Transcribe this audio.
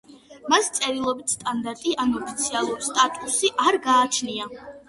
მას წერილობითი სტანდარტი ან ოფიციალური სტატუსი არ გააჩნია.